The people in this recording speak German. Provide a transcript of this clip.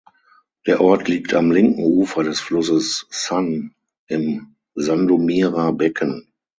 Der Ort liegt am linken Ufer des Flusses San im Sandomirer Becken.